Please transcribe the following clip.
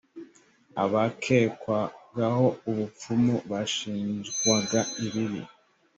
abakekwagaho ubupfumu bashinjwaga ibibi